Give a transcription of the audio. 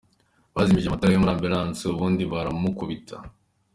Bazimije amatara yo muri ambulance ubundi baramukubita.